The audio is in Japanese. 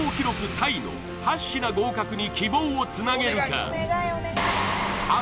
タイの８品合格に希望をつなげるか？